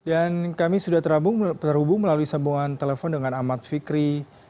dan kami sudah terhubung melalui sambungan telepon dengan ahmad fikri